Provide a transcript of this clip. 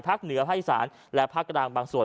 เหนือภาคอีสานและภาคกลางบางส่วน